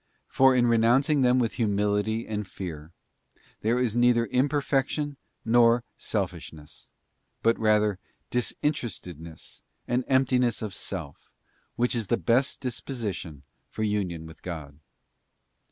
For in renouncing them with humility and fear, there is neither imperfection nor selfishness, but rather disinterestedness and emptiness of self, which is the best disposition for union with God.